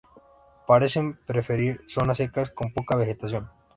Parecen preferir zonas secas con poca vegetación.